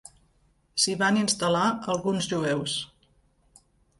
S'hi van instal·lar alguns jueus.